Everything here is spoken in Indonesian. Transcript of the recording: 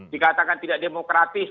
dikatakan tidak demokratis